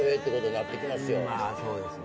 まあそうですね。